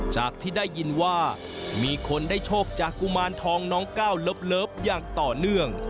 จากที่ได้ยินว่ามีคนได้โชคจากกุมารทองน้องก้าวเลิฟอย่างต่อเนื่อง